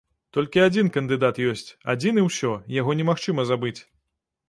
Толькі адзін кандыдат ёсць, адзін і ўсё, яго немагчыма забыць.